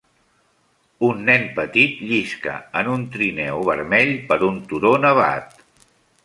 Un nen petit llisca en un trineu vermell per un turó nevat.